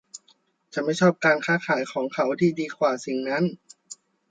ฉันไม่ชอบการค้าขายของเขาที่ดีกว่าสิ่งนั้น